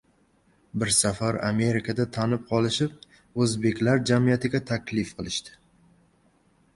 Bir safar Amerikada tanib qolishib, o‘zbeklar jamiyatiga taklif qilishdi.